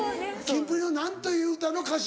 キンプリの何という歌の歌詞？